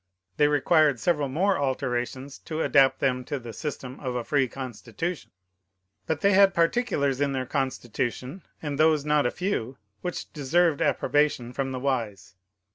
They required several more alterations to adapt them to the system of a free Constitution. But they had particulars in their constitution, and those not a few, which deserved approbation from the wise.